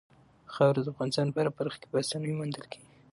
خاوره د افغانستان په هره برخه کې په اسانۍ موندل کېږي.